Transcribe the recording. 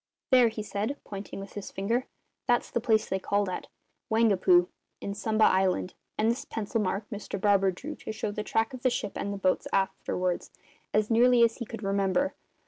"There," he said, pointing with his finger, "that's the place they called at Waingapu, in Sumba Island; and this pencil mark Mr Barber drew to show the track of the ship and the boat afterwards as nearly as he could remember.